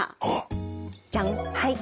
はい。